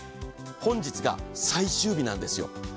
本日が最終日なんですよ。